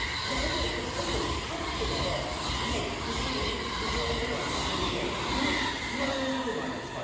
ここでコスタリカに勝ってればもう決勝トーナメントに進めることは決まるじゃないですか。